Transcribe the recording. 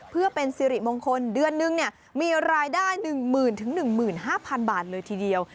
เพื่อเป็นสิริมงคลเดือนนึงมีรายได้๑๐๐๐๑๕๐๐๐บาทเลยทีเดียว